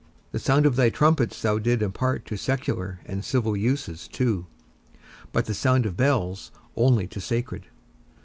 The sound of thy trumpets thou didst impart to secular and civil uses too, but the sound of bells only to sacred.